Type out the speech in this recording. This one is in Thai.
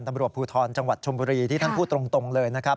ตำรวจภูทรจังหวัดชมบุรีที่ท่านพูดตรงเลยนะครับ